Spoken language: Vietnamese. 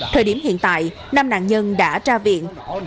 thời điểm hiện tại năm nạn nhân đã ra viện